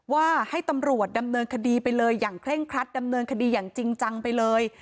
ว่าให้ตำรวจดำเนินคดีไปเลยอย่างเคร่งครัดดำเนินคดีอย่างจริงจังไปเลย